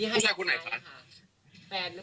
ผู้ชายคนไหนคะ